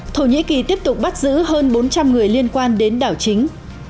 thổ nhĩ kỳ tiếp tục bắt giữ hơn bốn trăm linh người liên quan đến đảo chính